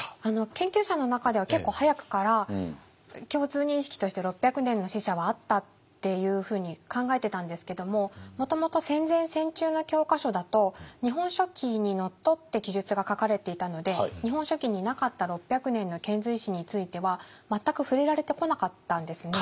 研究者の中では結構早くから共通認識として６００年の使者はあったっていうふうに考えてたんですけどももともと戦前戦中の教科書だと「日本書紀」にのっとって記述が書かれていたので「日本書紀」になかった６００年の遣隋使については全く触れられてこなかったんですね。